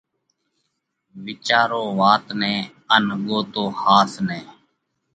وِيچارو وات نئہ ان ڳوتو ۿاس نئہ!